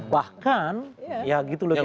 bahkan ya gitu loh kira kira